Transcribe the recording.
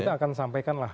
ya kita akan sampaikan lah